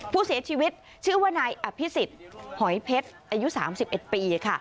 ผู้เสียชีวิตชื่อว่านายอภิษฎหอยเพชรอายุ๓๑ปีค่ะ